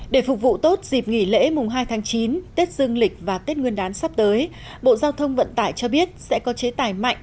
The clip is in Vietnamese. để phục vụ tốt dịp nghỉ lễ mùng hai tháng chín tết dương lịch và tết nguyên đán sắp tới bộ giao thông vận tải cho biết sẽ có chế tài mạnh